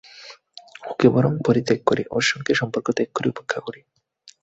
ওকে বরং পরিত্যাগ করি, ওর সঙ্গে সম্পর্ক ত্যাগ করি, উপেক্ষা করি।